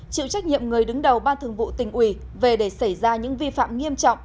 chịu trách nhiệm người đứng đầu ban thường vụ tỉnh ủy về để xảy ra những vi phạm nghiêm trọng